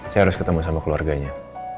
saya harus ketemu sama keluarganya